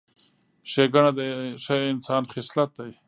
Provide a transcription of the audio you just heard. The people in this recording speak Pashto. ښېګڼه د ښه انسان خصلت دی.